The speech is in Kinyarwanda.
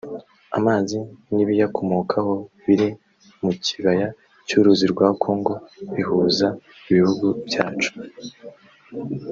Amazi n’ibiyakomokaho biri mu Kibaya cy’Uruzi rwa Congo bihuza ibihugu byacu